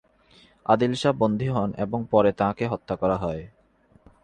আদিল শাহ বন্দি হন এবং পরে তাঁকে হত্যা করা হয়।